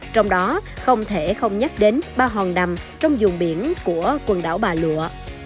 trong đó không thể không nhắc đến ba hòn nằm trong dùng biển của quần đảo bà lụa